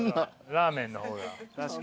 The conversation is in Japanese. ラーメンの方が。